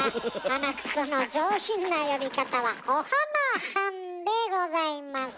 鼻くその上品な呼び方は「おはなはん」でございます。